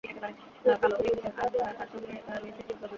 রোদ বৃষ্টি বৈরি আবহাওয়াতেও আমরা কাজ করি মাথার ঘাম পায়ে ফেলি।